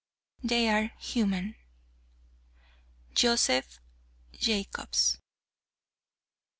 They are human. JOSEPH JACOBS.